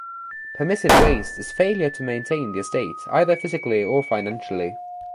Permissive waste is failure to maintain the estate, either physically or financially.